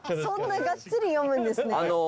そんながっつり読むんですね。